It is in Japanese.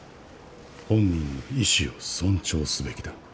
本人の意思を尊重すべきだ。